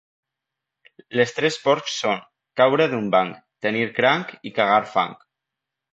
Les tres pors són: caure d'un banc, tenir cranc i cagar fang.